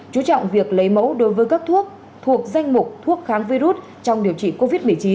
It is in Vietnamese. chú trọng việc lấy mẫu đối với các thuốc thuộc danh mục thuốc kháng virus trong điều trị covid một mươi chín